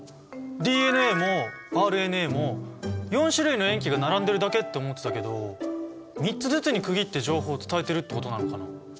ＤＮＡもＲＮＡも４種類の塩基が並んでるだけって思ってたけど３つずつに区切って情報を伝えてるってことなのかな？